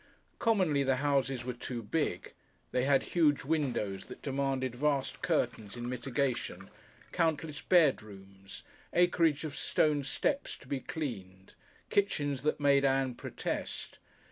Commonly the houses were too big. They had huge windows that demanded vast curtains in mitigation, countless bedrooms, acreage of stone steps to be cleaned, kitchens that made Ann protest.